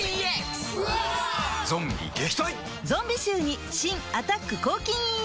ゾンビ臭に新「アタック抗菌ＥＸ」